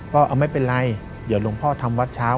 ว่าไม่เป็นไรเดี๋ยวหลวงพ่อทำวัดเช้า